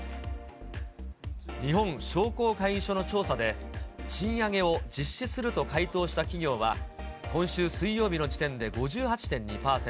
日本商工会議所の調査で、賃上げを実施すると回答した企業は、今週水曜日の時点で５８．２％。